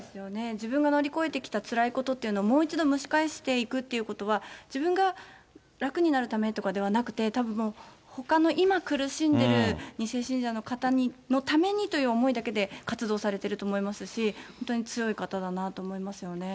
自分が乗り越えてきたつらいことというのを、もう一度蒸し返していくということは、自分が楽になるためとかではなくて、たぶんもう、ほかの今苦しんでいる２世信者の方のためにという思いだけで活動されてると思いますし、本当に強い方だなと思いますよね。